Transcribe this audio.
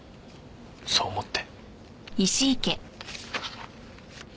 そう思って。